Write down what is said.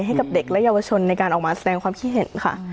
ให้กับเด็กและเยาวชนในการออกมาแสดงความคิดเห็นค่ะ